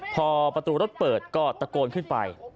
พอประตูรถเปิดก็ตะโกนขึ้นไป